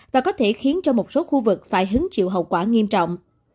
và có thể khiến cho một số khu vực phải hứng chịu hậu quả nghiêm trọng